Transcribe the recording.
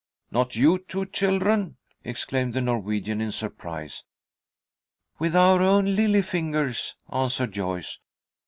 "Not you two children," exclaimed the Norwegian, in surprise. "With our own lily fingers," answered Joyce.